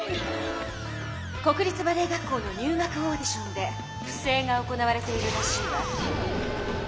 国立バレエ学校の入学オーディションで不正が行われているらしいわ。